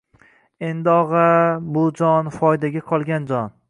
Endi, og‘a, bu jon — foydaga qolgan jon.